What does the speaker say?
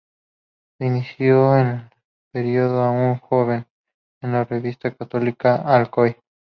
Se inició en el periodismo aún joven, en "La Revista Católica de Alcoy".